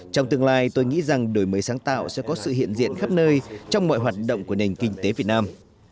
trong tương lai tôi nghĩ rằng đổi mới sáng tạo sẽ có sự hiện diện khắp nơi trong mọi hoạt động của nền kinh tế việt nam